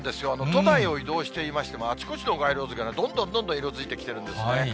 都内を移動していましても、あちこちの街路樹がどんどんどんどん色づいてきているんですね。